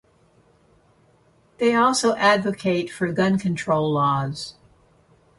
They also advocate for gun control laws.